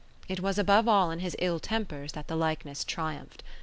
It was above all in his ill tempers that the likeness triumphed.